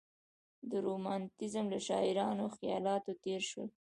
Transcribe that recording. د رومانتیزم له شاعرانه خیالاتو تېر شول.